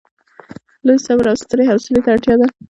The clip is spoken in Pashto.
لوی صبر او سترې حوصلې ته اړتیا ده.